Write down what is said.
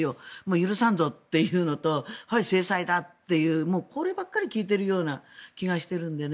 許さんぞというのと制裁だというこればかり聞いているような気がしているのでね。